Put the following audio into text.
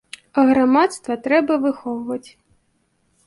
А грамадства трэба выхоўваць.